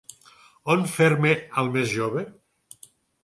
On fer-me el més jove?